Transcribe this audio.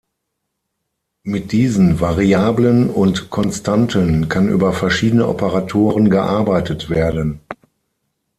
Mit diesen Variablen und Konstanten kann über verschiedene Operatoren gearbeitet werden.